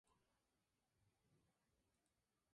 Al final de la guerra, Mesenia fue anexionada.